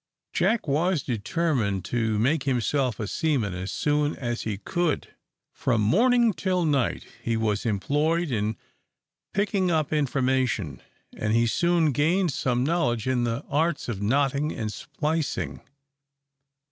Jack was determined to make himself a seaman as soon as he could. From morning till night he was employed in picking up information, and he soon gained some knowledge in the arts of knotting and splicing.